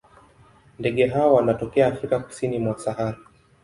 Ndege hawa wanatokea Afrika kusini mwa Sahara.